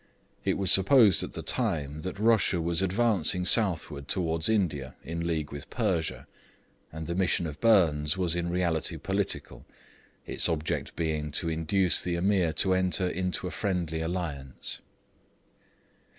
It was supposed at the time that Russia was advancing southward towards India in league with Persia, and the mission of Burnes was in reality political, its object being to induce the Ameer to enter into a friendly alliance.